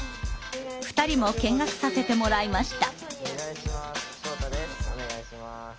２人も見学させてもらいました。